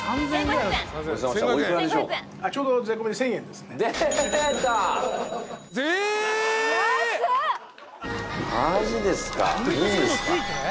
いいんですか？